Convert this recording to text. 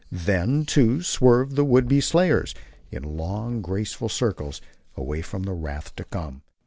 Then, too, swerved the would be slayers, in long, graceful circles, away from the wrath to come.